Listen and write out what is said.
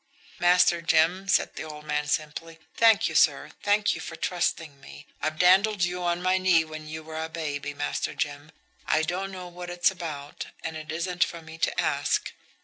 "Master Jim," said the old man simply, "thank you, sir, thank you for trusting me. I've dandled you on my knee when you were a baby, Master Jim. I don't know what it's about, and it isn't for me to ask.